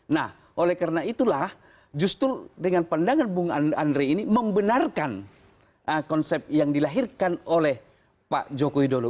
nah oleh karena itulah justru dengan pandangan bung andre ini membenarkan konsep yang dilahirkan oleh pak joko widodo